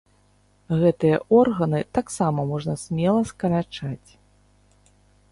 Гэтыя органы таксама можна смела скарачаць.